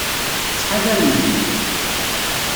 Ttḥadar Mhenni.